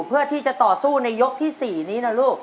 เพื่อที่จะต่อสู้ในยกที่๔นี้นะลูก